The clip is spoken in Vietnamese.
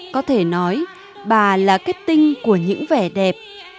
có thể nói bà là kết tinh của những vẻ đẹp